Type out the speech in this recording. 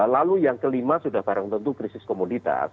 lalu yang kelima sudah barang tentu krisis komunitas